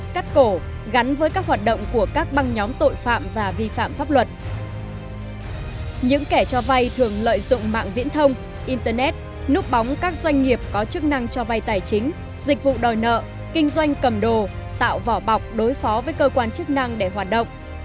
các doanh nghiệp có chức năng cho vay tài chính dịch vụ đòi nợ kinh doanh cầm đồ tạo vỏ bọc đối phó với cơ quan chức năng để hoạt động